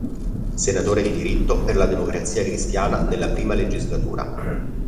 Senatore di diritto per la Democrazia Cristiana nella I legislatura.